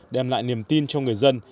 đem lại niềm tin cho người dân